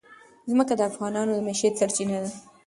ځمکه د افغانانو د معیشت سرچینه ده.